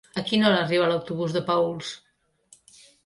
A quina hora arriba l'autobús de Paüls?